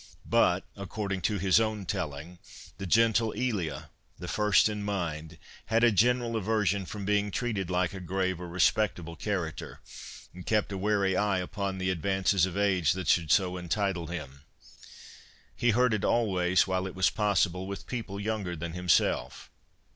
But, according to his own telling, the gentle Elia, the first in mind, OLD FRIENDS IOI ' had a general aversion from being treated like a grave or respectable character, and kept a wary eye upon the advances of age that should so entitle him. He herded always, while it was possible, with people younger than himself.